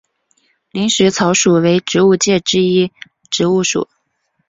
林石草属为植物界之一植物属。